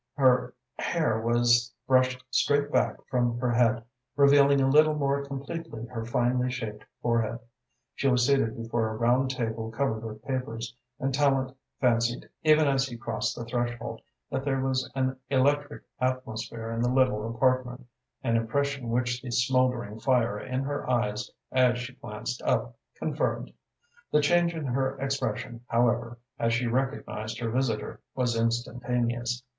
Her hair was brushed straight back from her head, revealing a little more completely her finely shaped forehead. She was seated before a round table covered with papers, and Tallente fancied, even as he crossed the threshold, that there was an electric atmosphere in the little apartment, an impression which the smouldering fire in her eyes, as she glanced up, confirmed. The change in her expression, however, as she recognised her visitor, was instantaneous.